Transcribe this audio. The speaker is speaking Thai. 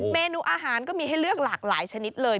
เมนูอาหารก็มีให้เลือกหลากหลายชนิดเลย